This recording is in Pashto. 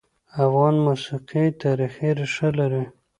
افغان موسیقي تاریخي ريښه لري.